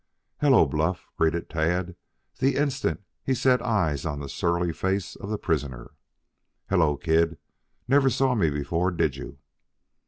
"Hello, Bluff," greeted Tad, the instant he set eyes on the surly face of the prisoner. "Hello, kid. Never saw me before, did you?"